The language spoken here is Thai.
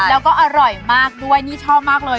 แล้วก็อร่อยมากด้วยนี่ชอบมากเลย